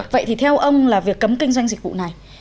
vậy thì theo ông là việc cấm kinh doanh dịch vụ này